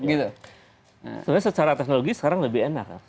sebenarnya secara teknologi sekarang lebih enak